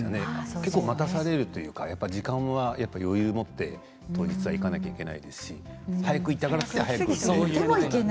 結構待たされるというか時間に余裕を持って当日は行かなきゃいけないですし早く行ったからといって。